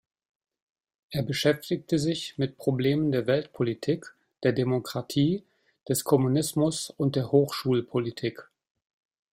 Er beschäftigte sich mit Problemen der Weltpolitik, der Demokratie, des Kommunismus und der Hochschulpolitik.